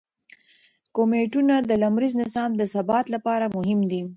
کومیټونه د لمریز نظام د ثبات لپاره مهم دي.